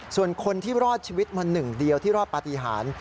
ส่วนคนที่รอดชีวิตมาหนึ่งเดียวที่รอดปฏิหาร